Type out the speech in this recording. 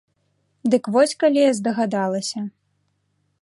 Дык вось калі я здагадалася!